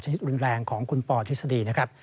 ชนิดอุนแรงของคุณพธิษฎีนะครับ